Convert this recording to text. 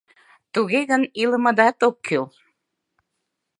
Туге гын илымыдат ок кӱл.